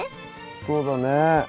そうだね。